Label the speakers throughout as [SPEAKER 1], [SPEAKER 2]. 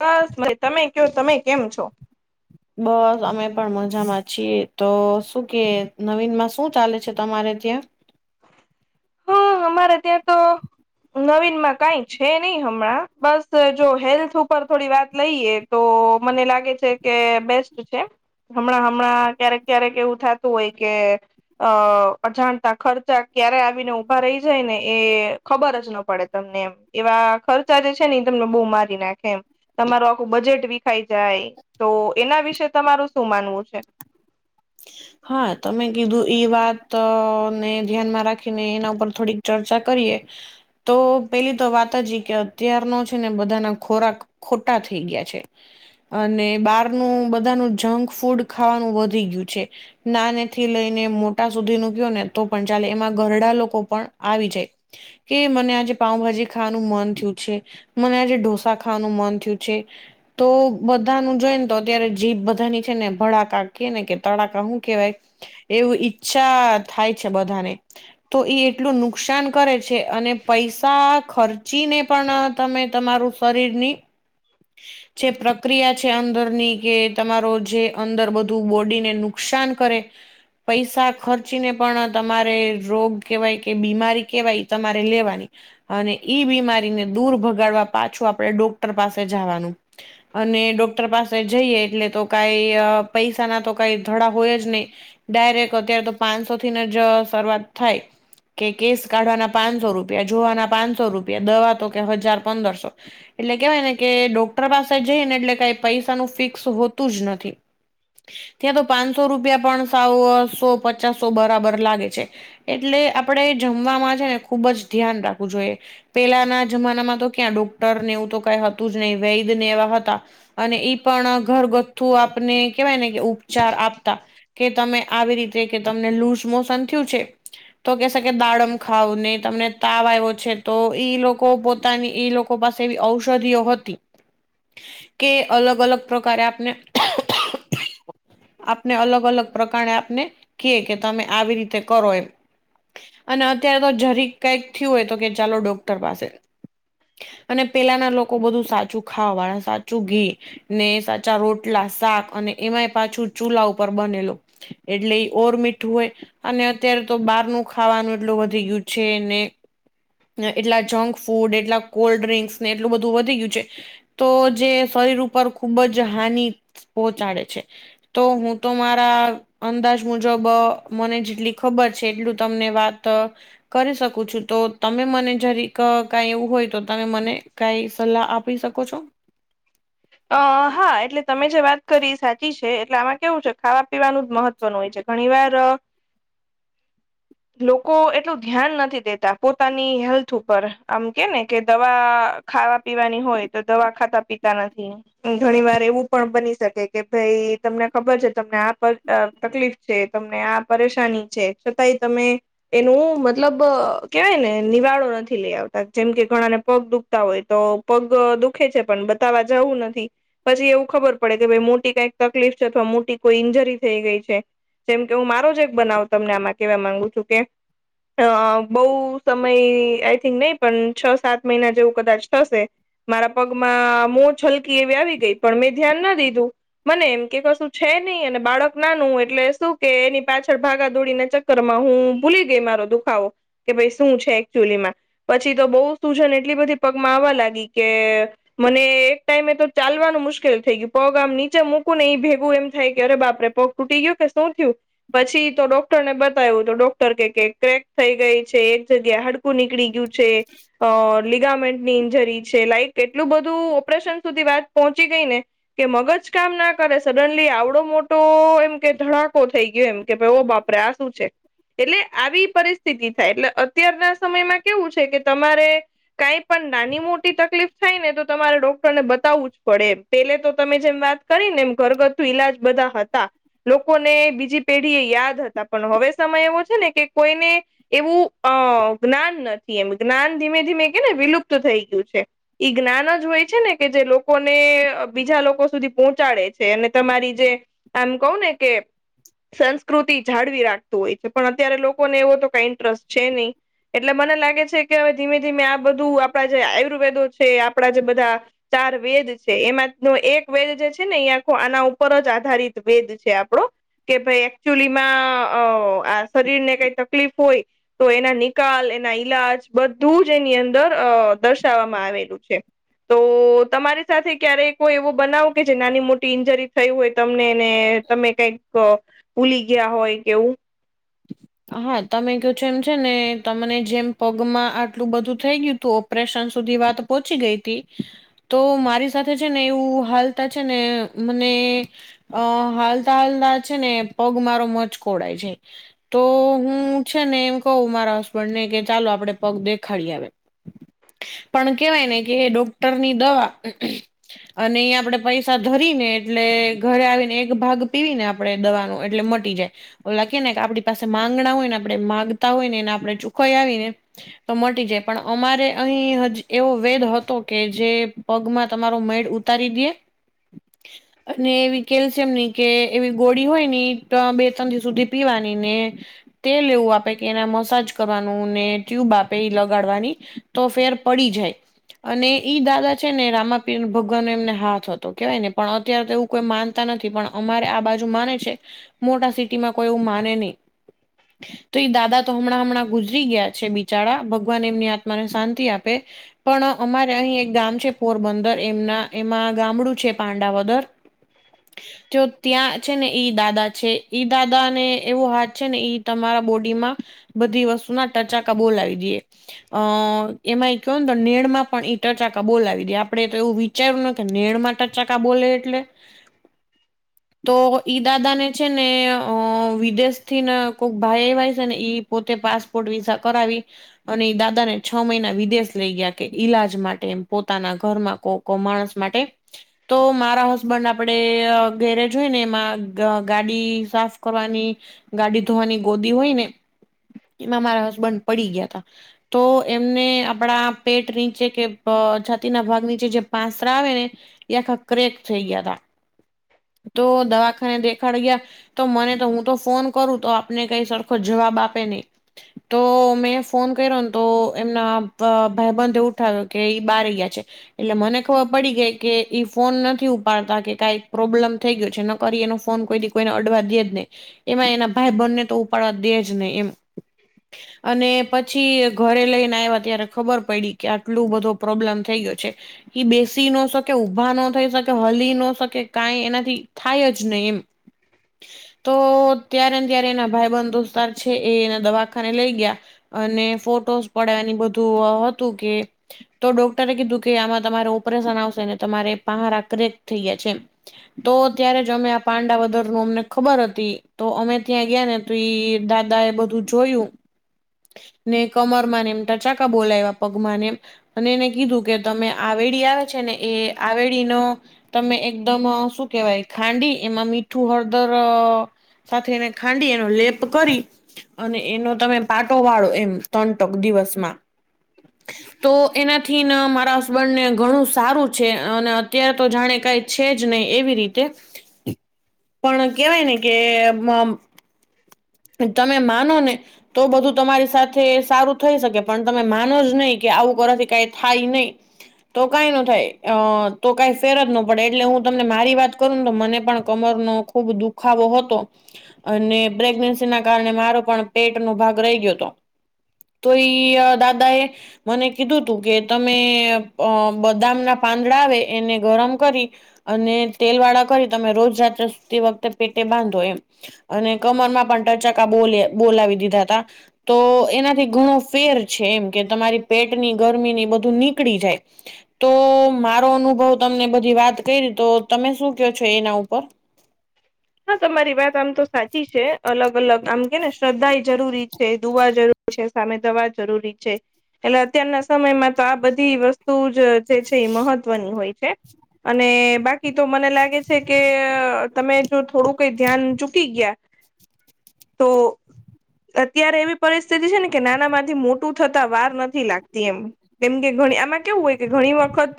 [SPEAKER 1] બસ મઈ તમે ક્યો તમે કેમ છો.
[SPEAKER 2] બસ અમે પણ મજામાં છીએ તો શું કે નવીનમાં શું ચાલે છે તમારે ત્યાં
[SPEAKER 1] મારે ત્યાં તો. નવીનમાં કઈ છે નહી હમણાં બસ જો હેલ્થ ઉપર થોડી વાત લઈએ તો મને લાગે છે કે બેસ્ટ છે. હમણાં હમણાં ક્યારેક ક્યારેક એવું થતું હોય કે અ અજાણતા ખર્ચા ક્યારે આવીને ની રહી જાય ને એ ખબર જ ન પડે તમને એમ એવા ખર્ચા જે છે ને તમને બહુ મારી નાખે એમ. તમારું આખું બજેટ વિખાઈ જાય તો એના વિશે તમારું શું માનવું છે.
[SPEAKER 2] હા તમે કીધું એ વાત ને ધ્યાનમાં રાખીને એના ઉપર થોડીક ચર્ચા કરીએ તો પેલી તો વાત જ કે અત્યારનો છે ને બધાના ખોરાક ખોટા થઈ ગયા છે. અને બહારનું બધાનું જંક ફૂડ ખાવાનું વધી ગયું છે. નાનેથી લઈને મોટા સુધી નું કયો ને તો પણ ચાલે એમાં ઘરડા લોકો પણ આવી જાય. કે મને આજે પાઉભાજી ખાવાનું મન થયું છે. મને આજે ઢોસા ખાવાનું મન થયુ છે. તો બધાનુ જોઈ ને તો અત્યારે જીભ બધાની છે ને ભડાકા કે ને કે તડાકા હું કેવાય એવું ઈચ્છા થાય છે બધાને. તો એ એટલું નુકસાન કરે છે અને પૈસા ખર્ચીને પણ તમે તમારું શરીરની જે પ્રક્રિયા છે અંદરની કે તમારો જે અંદર બધું બોડીને નુ નુકસાન કરે. પૈસા ખર્ચીને પણ તમારે રોગ કેહેવાય કે બીમારી કેવાય તમારે લેવાની અને ઈ બીમારીને દૂર ભગાડવા પાછું આપણે ડોક્ટર પાસે જવાનું. અને ડોક્ટર પાસે જઈએ એટલે તો કઈ પૈસા ના તો કાઈક. થડા હોય જ નહી. ડાયરેક્ટ અત્યારે તો પાંચસો થીને જ શરૂઆત થાય. કે કેસ કાઢવાના પાંચસો રૂપિયા, જોવાના પાંચસો રૂપિયા, દવા તો કે હજાર પંદરસો. એટલે કેહેવાય ને કે ડોક્ટર પાસે જઈ ને એટલે કઈ પૈસા નું ફિક્સ હોતું જ નથી. ત્યાં તો પાંચસો રૂપિયા પણ સાવ સો પચાસસો બરાબર લાગે છે. એટલે આપડે એ જમવાવામાં છે ને ખુબ જ ધ્યાન રાખવું જોઈએ. પેલાના જમાનામાં તો ક્યાં ડોક્ટરને એવું તો કઈ હતું જ નહિ વૈધને એવા હતા. અને ઈ પણ ઘરગથ્થુ આપને કેવાય ને કે. ચાર આપતા કે તમે આવી રીતે કે તમને લૂઝ મોશન થયું છે. તો કે શકે દાડમ ખાવ નને તમને તાવ આવ્યો છે તો ઈ લોકો પો પોતાની એ લોકો પાસે ઔષધિઓ હતી. કે અલગ અલગ પ્રકારે આપને. આપને અલગ અલગ પ્રકારણે આપને કે કે તમે આવી રીતે કરો એમ. અને અત્યારે તો જરી કઈક થયું હોય તો કે ચાલો ડોક્ટર પાસે. અને પેલાના લોકો બધું સાચું ખાવા વાળા સાચું ઘી ને સાચા રોટલા શાક અને એમાંય પાછું ચૂલા ઉપર બનેલો. એટલે ઓર મીઠું હોય. અને અત્યારે તો બહારનું ખાવાનું એટલું વધી ગયું છે ને ને એટલા જંક ફૂડ એટલા કોલ્ડ ડ્રિંક્સ ને એટલું બધું વધી ગયુ છે તો જે શરીર ઉપર ખુબ જ હાનિ પહોંચાડે છે તો હું તો મારા અંદાજ મુજબ મને જેટલી ખબર છે એટલું તમને વાત કરી શકું છું તો તમે મને જરીક કઈ એવું હોય તો તમે મને કાઈ સલાહ આપી શકો છો
[SPEAKER 1] અ હ હા એટલે તમે જે વાત કરી સાચી છે એટલે આમાં કેવું છે ખાવા પીવાનું જ મહત્વનું હોય છે ઘણી વાર લોકો એટલું ધ્યાન નથી દેતા પોતાની હેલ્થ ઉપર, આમ કે ને કે દવા ખાવા પીવાની હોય તો દવા ખાતા પીતા નથી ઘણી વાર એવું પણ બની શકે કે ભાઈ તમને ખબર છે તમને આ તકલીફ છે તમને આ પરેશાની છે છતાંય તમે એનું મતલબ કેહેવાય ને નિવાળો નથી લઈ આવતા, જેમ કે ઘણાને પગ દુખતા હોય તો પગ દુખે છે પણ બતાવવા જવું નથી. પછી એવું ખબર પડે કે ભાઈ મોટી કઈક તકલીફ છે અથવા મોટી કોઈ ઈન્જરી થઈ ગઈ છે જેમ કે હું મારો જ એક બનાવ તમને આમાં કેવા માંગુ છું કે અ બહુ સમય આઈ થિંક નહી પણ છ સાત મહિના જેવું કદાચ થશે મારા પગમાં મોછલકી એવી આવી ગઈ પણ મેં ધ્યાન ના દીધું મને એમ કે કશું છે નહી અને બાળક નાનું એટલે શું કે એની પાછળ ભાગા દોડીને ચ કરમાં હું ભૂલી ગઈ મારો દુખાવો કે ભાઈ શું છે એકચુલીમાં પછી તો બહુ સૂજન એટલી બધી પગમાં આવવા લાગી કે મને ટાઈમે તો ચાલવાનું મુશ્કેલ થઈ ગયું પગ આમ નીચે મૂકું ને ઈ ભેગું એમ થાય કે અરે બાપરે પ તૂટી ગયું કે શું થયું પછી તો ડોક્ટરને બતાવ્યું તો ડોક્ટર કેય કે ક્રેક થઈ ગઈ છે એક જગ્યા હાડ કુ નીકળી ગયું છે લિગામેન્ટ ની ઇન્જરી છે. લાઈક એટલું બધું ઓપરેશન સુધી વાત પહોંચી ગઈ ને કે મગજ કામ ના કરે સડનલી આવડો મોટો એમ કે ધડાકો થઈ ગયો એમ કે ભાઈ ઓ બાપરે આ શું છે એટલે આવી પરિસ્થિતિ થાય એટલે અત્યારના સમયમાં કેવું છે કે તમારે કંઈ પણ નાની મોટી તકલીફ થાય ને તો તમારે ડો ને બતાવવું જ પડે એમ પેલે તો તમે જેમ વાત કરીને એમ ઘરગથ્થુ ઈલાજ બધા હતા લોકોને બીજી પેઢી એ યાદ હતા પણ હવે સમય એવો છે ને કે કોઈને એવું અ જ્ઞાન નથી એમ જ્ઞાન ધીમે ધીમે કેને વિલુપ્ત થઈ ગયું છે ઈ જ્ઞાન જ હોય છે ને કે જે લોકોને બીજા લોકો સુધી પહોંચાડે છે અને તમારી જે આમ કઉને કે સંસ્કૃતિ જાળવી રાખતું હોય છે પણ અત્યારે લોકોને એવો તો કઈ ઇન્ટરેસ્ટ છે નહીં એટલે મને લાગે છે કે હવે ધીમે ધીમે આ બધું આપડા જે આયુર્વેદો છે આપડા જે બધા ચાર વેદ છે એમાં ન એક વેદ જે છે ને એ આખો આના ઉપર જ આધારિત વેદ છે આપડો કે ભાઈ એકચુલી માં અ આ શરીર ને કઈ તકલીફ હોય તો એના નિકાલ એના ઈલાજ બધું જ એની અંદર અ દર્શાવવામાં આવેલું છે તો
[SPEAKER 2] [inaudible]
[SPEAKER 1] તમારી સાથે ક્યારેક એવું બનાવો કે જે નાની મોટી ઇન્જરી થય હોય તમને એને તમે કઈક ભૂલી ગયા હોય કેવું
[SPEAKER 2] હા તમે કહો છો એમ છે ને તમને જેમ પગમાં આટલું બધું થઈ ગયું તો પ્રેશન સુધી વાત પોહોંચી ગઈ હતી તો મારી સાથે છે ને એવું હાલ તા છે ને મને અ હાલતા હાલતા છે ને પગ મારો મચકોડાઈ જાય તો હું છે ને એમ કઉ મારા હસબન્ડ ને કે ચાલો આપડે પગ દેખાડી આવે. પણ કેવાય ને કે ડોક્ટરની દવા અને અહીંયા આપણેે પૈસા ધરીને એટલે ઘરે આવીને એક ભાગ પીવીને આપ આપે દવાનું એટલે મટી જાય ઓ લખીએ ને કે આપડી પાસે માંગણા હોય ને આપણે માગતાં હોય ને એને આપણે ચુકવી આઈએ ને તો મટી જાય પણ અમારે અહીં એવો વેદ હતો કે જે પગમાં તમારો મેડ ઉતારી દેય. અને એવી કેલ્શિયમની કે એવી ગોળી હોય ને ઈ તો બે ત્રણ દિવસ હુધી પીવાની. ની મેં તેલ એવું આપે કે એના મસાજ કરવાનું ને ટ્યુબ આપે ઈ લગાડવાની. તો ફેર પડી જાય. અને ઈ દાદા છે ને રામાપીર ભગવાનનો એમને હાથ હતો કેવાય ને પણ અત્યારે તો એવું કોઈ માન તા નથી પણ અમારે આ બાજુ માને છે મોટા સિટીમાં કોઈ એવું માને નહીં. તો ઈ દાદા તો હમણાં હમણાં ગુજરી ગયા છે બિચારા ભગવાન એમની આત્માને શાંતિ આપે. પણ અમારે અહીં એક ગામ છે પોરબંદર એમના એમાં ગામડું છે પાંડાવદર. તો ત્યાં છે ને ઈ દાદા છે ઈ દાદાને એવો હાથ છે ને ઈ તમારા બોડીમાં બધી વસ્તુના ટચાકા બોલાવી દીયે. અ એમાંય કયો ને તો નેળમાં પણ ઈ ટચાકા બોલાવી દીએ આપડે તો એવું વિ ચાર નતો નેળમાં ટચાકા બોલે એટલે તો ઈ દાદાને છે ને અ વિ દેશથી ને કોઈક ભાઈ આયવા હશે ને ઈ પોતે પાસપોર્ટ વિઝા કરાવી અને ઈ દાદા ને છ મહિના વિદેશ લઈ ગયા કે ઈલાજ માટે એમ પોતાના ઘરમાં કોક કો માણસ માટે. તો મારા હસબન્ડ આપડે અ ગેરેજ હોયને એમાં ગાડી સાફ કરવાની ગાડી ધોવાની ગોદી હોય ને એમાં મારા હસબન્ડ પડી ગયા તા. તો એમને આપણા પેટ નીચે કે પ છાતીના ભાગ નીચે જે પાસરા આવે ને એક આખા ક્રેક થઈ ગયા હતાં. તો દવાખાને દેખાડ ગયા તો મને તો હું તો ફોન કરું તો આપને કઈ સરખો જવાબ આપે નઈ. તો મેં ફોન કર્યોને તો એમના ભ ભાઈબંધે ઉઠાવ્યો કે ઈ બારે ગયા છે. એટલે મને ખબર પડી ગઈ કે ઈ ફોન નથી ઉપાડતા કે કાઈક પ્રોબ્લેમ થઈ ગયો છે ન કર ઈ એનો ફોન કોઈ દી કોઈને અડવા દે જ નહીં. એમાં એના ભાઈબંધને તો ઉપાડવા દે જ નઈ એમ. અને પછી ઘરે લઈને આયવા ત્યારે ખબર પયડી કે આટલું બધો પ્રોબ્લેમ થઈ ગયો છે. એ બેસી નો શકે, ઊભા નો થઈ શકે, હલી ન શકે, કાઈ એનાથી થાય જ નહીં એમ તો ત્યારે ને ત્યારે એના ભાઈબંધ દોસ્તાર છે એ એને દવાખાને લઈ ગયા. અને ફોટોઝ પડયાની એ બધું હતું કે તો ડોક્ટરે કીધું કે આમાં તમારે ઓપરેશન આવશે ને તમારે પહારા ક્રેક થઈ ગયા છે એમ. તો અ ત્યારે જ અમે આ પાંડાવદરનું અમને ખબર હતી. તો અમે ત્યાં ગયા ને તો ઈ દાદાએ બધું જોયું. ને કમરમાં ને એમ ટાચાકા બોલાયવા પગમાંને એમ. અને એને કીધું કે તમે આવેડીયા આવે છે ને એ આવેડીનો તમે એકદમ અ શું કેવાય ખાંડી એમાં મીઠું, હળદર સાથે એને ખાંડી એનો લેપ કરી અને એનો તમે પાટો વાળો એમ તટક દિવસમાં. તો એનાથીને મારા હસબન્ડને ઘણું સારું છે અને અત્યારે તો જાણે કાંઈ. છે જ નહી એવી રીતે પણ કેહેવાય ને કે. તમે માનો ને તો બધું તમારી સાથે સારું થઈ શકે પણ તમે માનો જ નહી કે આવું કરવાથી કાઈ થાય નહીં. તો કાઈ નો થાય અ તો કાઈ ફેર જ નો પડે એટલે હું તમને મારી વાત કરું ને તો મને પણ કમરનો ખૂબ દુખાવો હતો અને પ્રેગને તેના કારણે મારો પણ પેટનો ભાગ રહી ગયો હતો તો ઈ દાદાએ મને કીધું તું કે તમે બદામના પાંદડા આવે એને ગરમ કરી. અને તેલ વાળા કરી તમે રોજ રાત્રે સુતી વખતે પેટે બાંધો એમ. અને કમરમાં પણ ટચાકા બોલ બોલાવી દીધા હતા. તો એનાથી ઘણો ફેર છે એમ કે તમારી પેટની ગરમીની બધું નીકળી જાય. તો મારો અનુભવ તમને બધી વાત કરી તો તમે શું કો છો એના ઉપર.
[SPEAKER 1] હા તમારી વાત આમ તો સાચી છે અલગ અલગ આમ કેને શ્રદ્ધા એ જરૂરી છે દુવા જરૂરી. સામે દવા જરૂરી છે એટલે અત્યારના સમયમાં તો આ બધી વસ્તુ. તું જ જે છે મહવ. વની હોય છે અને બાકી તો મને લાગે છે કે તમે. જો થોડું કઈ ધ્યાન ચૂકી ગયા તો. અત્યારે એવી પરિસ્થિતિ છે ને કે નાના માંથી મોટું થતા વાર નથી લાગતી એમ. કેમ કે ઘણી આમાં કેવું હોય કે ઘણી વખત.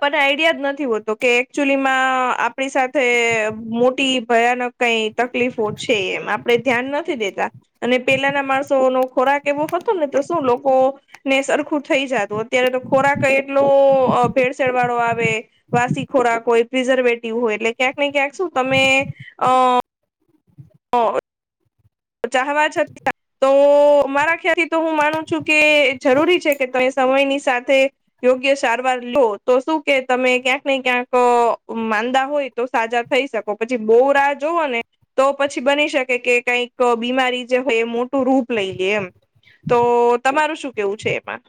[SPEAKER 1] પણ આઈડિયા જ નથી હોતો કે એકચુલી માં આપણી સાથે. મોટી ભયાનક કઈ તકલીફો છે એમ. આપણે ધ્યાન નથી દેતા અને પેલાના માણસો નો ખોરાક એવો હતો ને તો શું લોકો. ને સરખું થઈ જતું અત્યારે તો ખોરાક એટલો ભેળસેળ વાળો આવે. વાસી ખોરાક હોય પ્રિઝર્વેટિવ હોય એટલે ક્યાંક ને ક્યાંક શું તમે અ. હ તો ચાહવા છ તી આમ તો. તો મારા ખ્યાલથી તો હું માનું છું કે જરૂરી છે કે તમે સમયની સાથે. યોગ્ય સારવાર લો તો શું કે તમે ક્યાંક ને ક્યાંક અ માંદા હોય. તો સાજા થઈ શકો પછી બો રાહ જોુઓ ને તો પછી બની શકે કે કઈક. બીમારી જે હોય એ મોટું રૂપ લઈ લેએ એમ તો તમારું શું કેવું છે એમાં?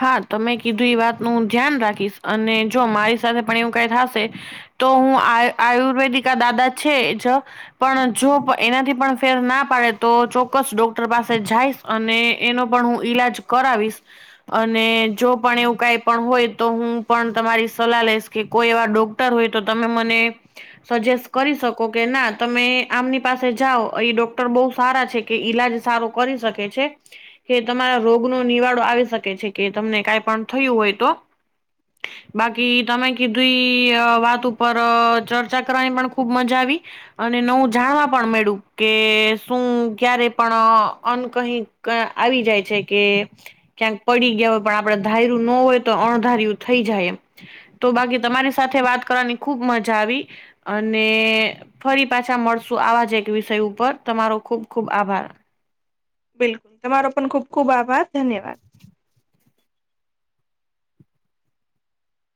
[SPEAKER 2] હા તમે કીધું એ વાતનુંું ધ્યાન રાખીશ અને જો મારી સાથે પણ એવું કઈ થશે. તો હું આ આયુર્વેદિકા દાદા છે જ. પણ જો એનાથી પણ ફેર ના પાડે તો ચોક્કસ ડોક્ટર પાસે જાઈશ. અને એનો પણ હું ઈલાજ કરાવીશ. અને જો પણ એવું કઈ પણ હોય તો હું પણ તમારી સલાહ લઈશ કે કોઈ એવા ડોક. તર હોય તો તમે મને. સજેસ્ટ કરી શકો કે ના તમે આમની પાસે જાઓ એ ડોક્ટર બહુ સારા છે. કે ઈલાજ સારો કરી શકે છે કે તમારા રોગ નો નિવાડો આવી શકે. છે કે તમને કઈ પણ થયું હોય તો. બાકી તમે કીધી વાત ઉપર ચર્ચા કરવાની પણ ખુબ મજા આવી. અને નવું જાણવા પણ મયુડુ કે શું ક્યારે પણ અન કહી. કા આવી જાય છે કે ક્યાંક. પડી ગયા હોય પણ આપડે ધારું ન હોય તો અણધાર્યું થઈ જાય એમ. તો બાકી તમારી સાથે વાત કરવાની ખુબ મજા આવી. અને ફરી પાછા મળશું આવા જ એક વિષય ઉપર તમારો ખુબ ખુબ આભાર.
[SPEAKER 1] બિલકુલ તમારો પણ ખુબ ખુબ આભાર ધન્યવાદ.